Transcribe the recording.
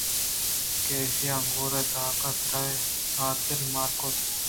کہ ایشاں انگُور ءِ تاکاں تیرے ہترمال کُت